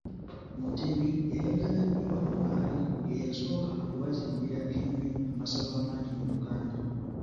Mutebi yayagala nnyo balubaale, ye yasooka okubazimbira ennyo amasabo amangi mu Buganda.